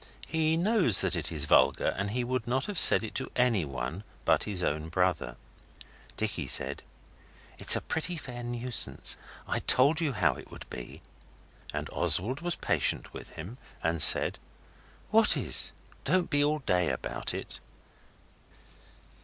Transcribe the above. He knows that is vulgar, and he would not have said it to anyone but his own brother. Dicky said 'It's a pretty fair nuisance. I told you how it would be.' And Oswald was patient with him, and said 'What is? Don't be all day about it.